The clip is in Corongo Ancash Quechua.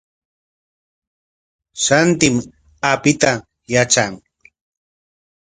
Shantim apita yatran.